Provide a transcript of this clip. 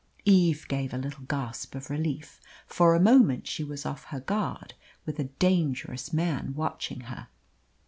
Eve gave a little gasp of relief. For a moment she was off her guard with a dangerous man watching her.